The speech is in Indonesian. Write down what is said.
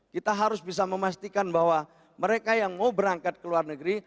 kita harus bisa memastikan bahwa mereka yang mau berangkat ke luar negeri